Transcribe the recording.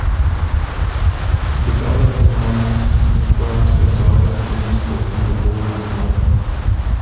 The palace environs comprised a garden, a tennis court and a bowling alley.